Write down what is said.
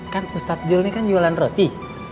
kan ustaz jil ini kan jualan roti